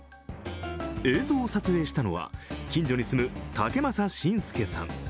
映像を撮影したのは、近所に住む武正進介さん。